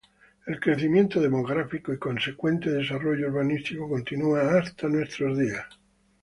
El crecimiento demográfico y consecuente desarrollo urbanístico continúa hasta nuestros días.